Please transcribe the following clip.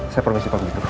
saya promosi waktu itu